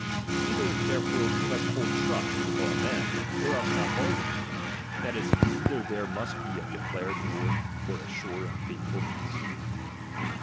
Either therefore we must hold trust with all men, or else not bargain with them ; that is, either there must be a declared war, or a sure and faithful peace.